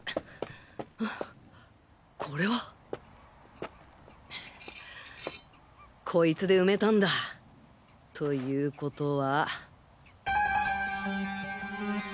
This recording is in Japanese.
これは。こいつで埋めたんだ！ということは。